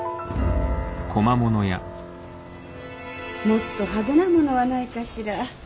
もっと派手なものはないかしら。